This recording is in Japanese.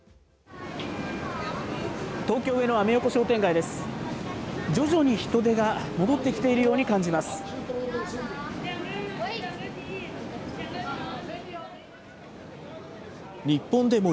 東京・上野、アメ横商店街です。